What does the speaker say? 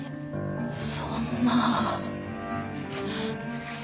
そんな。